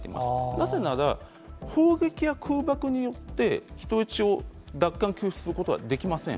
なぜなら、砲撃や空爆によって人質を奪還、救出することはできません。